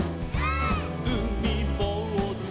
「うみぼうず」「」